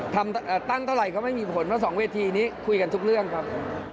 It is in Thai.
ตั้งเท่าไหร่ก็ไม่มีผลเพราะ๒เวทีนี้คุยกันทุกเรื่องครับ